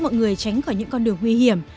mọi người tránh khỏi những con đường nguy hiểm